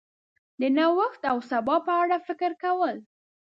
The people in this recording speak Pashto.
د نوښت او سبا په اړه فکر کول